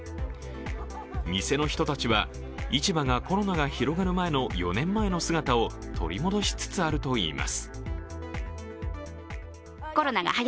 店の人たちは市場がコロナが広がる前の４年前の姿を取り戻しつつあるといいます。